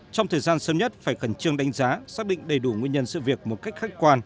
trong thời gian sớm nhất phải khẩn trương đánh giá xác định đầy đủ nguyên nhân sự việc một cách khách quan